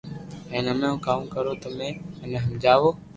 ھمي ھون ڪاو ڪارو تمي مني ھمجاو